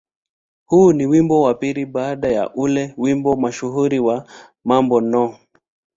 Huu ni wimbo wa pili baada ya ule wimbo mashuhuri wa "Mambo No.